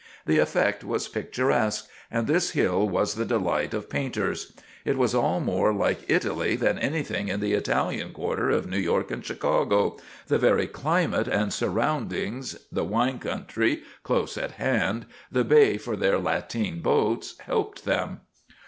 The effect was picturesque, and this hill was the delight of painters. It was all more like Italy than anything in the Italian quarter of New York and Chicago the very climate and surroundings, the wine country close at hand, the bay for their lateen boats, helped them.